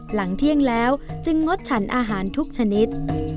หลังเที่ยงแล้วจึงงดฉันอาหารทุกชนิด